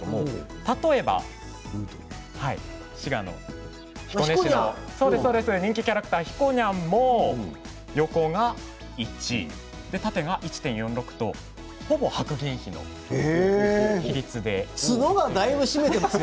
例えば滋賀県彦根市の人気キャラクターひこにゃんも横が１で縦が１．４６とほぼ白銀比の比率です。